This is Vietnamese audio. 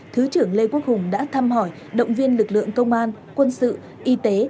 thứ trưởng lê quốc hùng đã thăm hỏi động viên lực lượng công an quân sự y tế